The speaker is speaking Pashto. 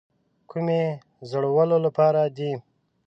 کومې زړولو لپاره دي.